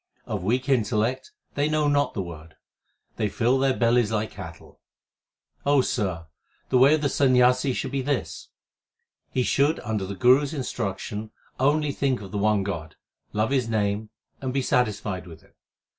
Of weak intellect, they know not the Word ; they fill their bellies like cattle. Sir, the way of the Sanyasi should be this : He should under the Guru s instruction only think of the one God, love His name, and be satisfied with it.